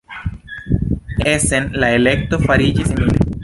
En Essen la elekto fariĝis simile.